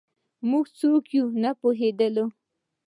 موږ څوک یو نه پوهېدل